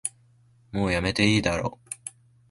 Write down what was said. もうやめていいだろ